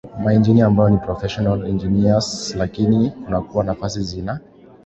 maengineer ambao ni professional engineers lakini kunakuwa nafasi zina